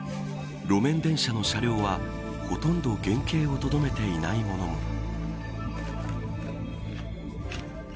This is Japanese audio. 路面電車の車両は、ほとんど原型をとどめていないものも。